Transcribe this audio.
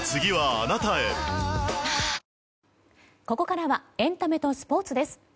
ここからはエンタメとスポーツです。